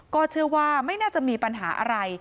ก็เชื่อว่าไม่น่าจะมีปัญหาอะไร